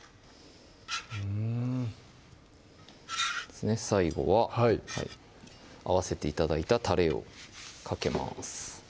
うん最後は合わせて頂いたたれをかけます